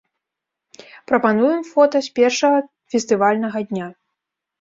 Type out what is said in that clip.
Прапануем фота з першага фестывальнага дня.